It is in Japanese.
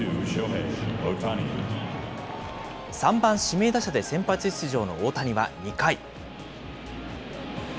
３番指名打者で先発出場の大谷は２回。